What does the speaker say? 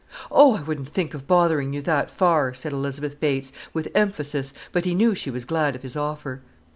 "Oh, I wouldn't think of bothering you that far," said Elizabeth Bates, with emphasis, but he knew she was glad of his offer.